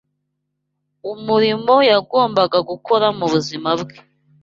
umurimo yagombaga gukora mu buzima bwe